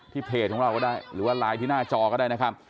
เพจของเราก็ได้หรือว่าไลน์ที่หน้าจอก็ได้นะครับ